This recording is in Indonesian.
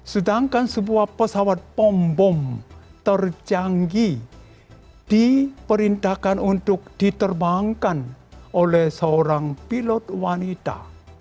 sedangkan sebuah pesawat bom bom terjanggih diperintahkan untuk diterbangkan oleh seorang pilot wanita